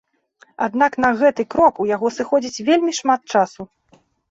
Аднак на гэты крок у яго сыходзіць вельмі шмат часу.